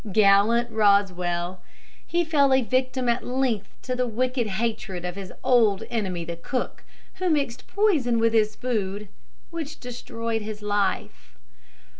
Gallant Rosswell! he fell a victim at length to the wicked hatred of his old enemy the cook, who mixed poison with his food, which destroyed his life.